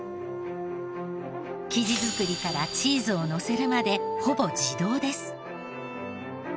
生地作りからチーズをのせるまでほぼ自動です。